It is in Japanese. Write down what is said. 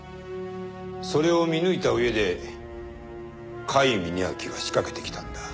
それを見抜いた上で甲斐峯秋は仕掛けてきたんだ。